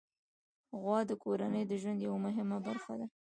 غوا د کورنۍ د ژوند یوه مهمه برخه ده.